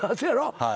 はい。